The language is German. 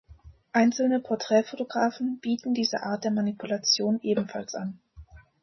Einzelne Porträtfotografen bieten diese Art der Manipulation ebenfalls an.